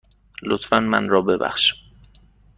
لطفاً من را ببخش.